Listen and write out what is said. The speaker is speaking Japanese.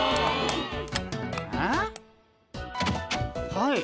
はい。